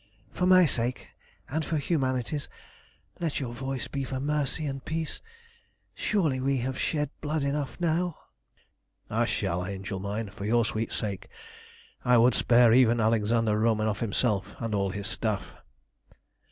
For my sake, and for Humanity's, let your voice be for mercy and peace surely we have shed blood enough now!" "It shall, angel mine! For your sweet sake I would spare even Alexander Romanoff himself and all his Staff."